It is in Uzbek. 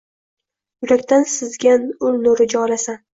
Yurakdan sizgan ul nuri jolasan…